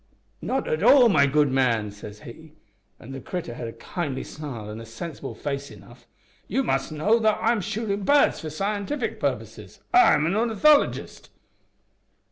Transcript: `Not at all, my good man,' says he an' the critter had a kindly smile an' a sensible face enough `you must know that I am shootin' birds for scientific purposes. I am an ornithologist.'